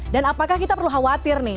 dan apakah kita perlu khawatir nih